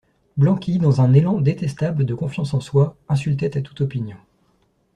Blanqui, dans un élan détestable de confiance en soi, insultait à toute opinion.